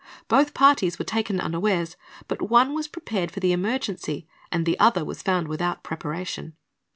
Both parties were taken unawares; but one was prepared for the emergency, and the other was found without preparation.